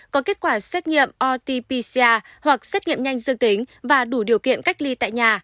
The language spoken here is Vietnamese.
có kết quả xét nghiệm rt pcr hoặc xét nghiệm nhanh dương tính và đủ điều kiện cách ly tại nhà